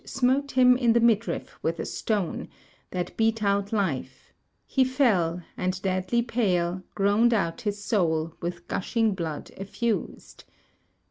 Smote him in the midriff with a stone That beat out life: he fell; and, deadly pale Groan'd out his soul with gushing blood efftised.